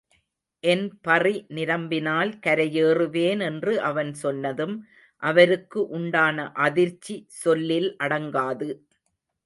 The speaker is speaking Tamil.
என் பறி நிரம்பினால் கரையேறுவேன் என்று அவன் சொன்னதும் அவருக்கு உண்டான அதிர்ச்சி சொல்லில் அடங்காது.